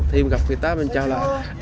thì mình gặp người ta mình chào là